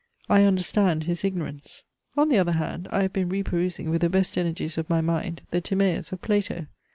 I understand his ignorance. On the other hand, I have been re perusing with the best energies of my mind the TIMAEUS of Plato.